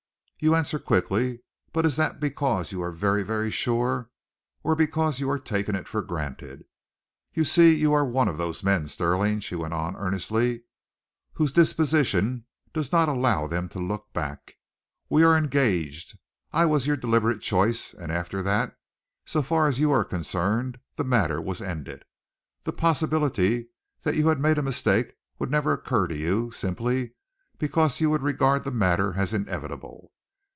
"You answer quickly, but is that because you are very, very sure, or because you are taking it for granted? You see you are one of those men, Stirling," she went on earnestly, "whose disposition does not allow them to look back. We are engaged, I was your deliberate choice, and after that, so far as you are concerned, the matter was ended. The possibility that you had made a mistake would never occur to you, simply because you would regard the matter as inevitable.